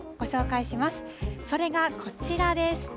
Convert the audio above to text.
それがこちらです。